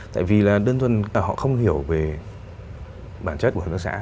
tại vì là đơn thuần là họ không hiểu về bản chất của hợp tác xã